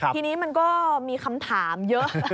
ทีนี้มันก็มีคำถามเยอะ